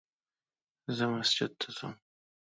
زه مسجد ته ځم